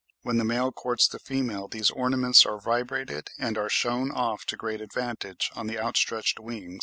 When the male courts the female, these ornaments are vibrated, and "are shewn off to great advantage," on the outstretched wings: A.